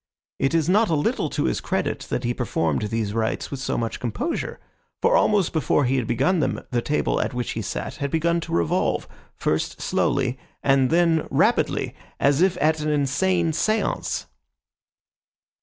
It is not a little to his credit that he performed these rites with so much composure, for almost before he had begun them the table at which he sat had begun to revolve, first slowly, and then rapidly, as if at an insane seance.